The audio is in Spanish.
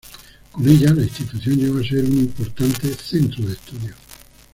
Con ella, la institución llegó a ser un importante centro de estudio.